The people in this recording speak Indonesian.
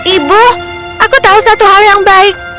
ibu aku tahu satu hal yang baik